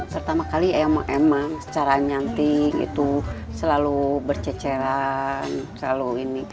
pertama kali emang emang secara nyantik itu selalu bercecelan selalu ini